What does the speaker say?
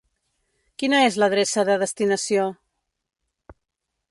Quina és la adreça de destinació?